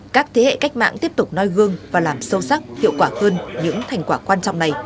các thế hệ cách mạng tiếp tục noi gương và làm sâu sắc hiệu quả hơn những thành quả quan trọng này